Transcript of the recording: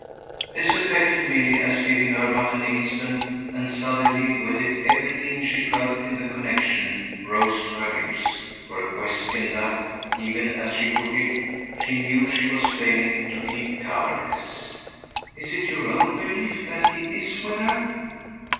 This affected Milly as giving her but an instant; and suddenly, with it, everything she felt in the connexion rose to her lips for a question that, even as she put it, she knew she was failing to keep colourless. "Is it your own belief that he IS with her?"